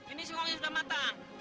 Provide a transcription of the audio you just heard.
ini singkongnya sudah matang